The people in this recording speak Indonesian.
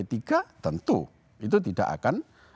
tentu itu tidak akan